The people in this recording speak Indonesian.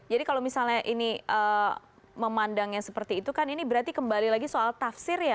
jadi kalau misalnya ini memandangnya seperti itu kan ini berarti kembali lagi soal tafsir ya